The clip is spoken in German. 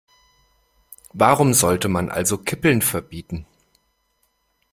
Warum sollte man also Kippeln verbieten?